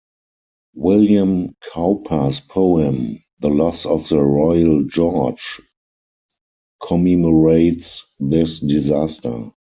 William Cowper's poem, the "Loss of the Royal George", commemorates this disaster.